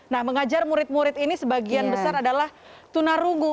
nah mengajar murid murid ini sebagian besar adalah tunarungu